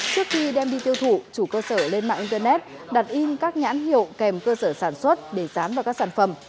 trước khi đem đi tiêu thụ chủ cơ sở lên mạng internet đặt in các nhãn hiệu kèm cơ sở sản xuất để dán vào các sản phẩm